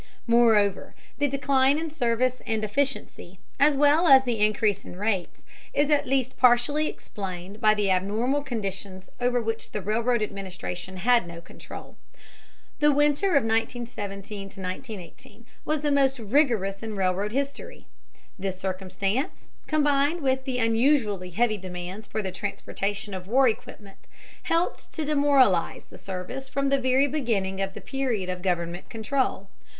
Moreover, the decline in service and efficiency, as well as the increase in rates, is at least partially explained by abnormal conditions over which the Railroad Administration had no control. The winter of 1917 1918 was the most rigorous in railroad history. This circumstance, combined with the unusually heavy demands for the transportation of war equipment, helped to demoralize the service from the very beginning of the period of government control.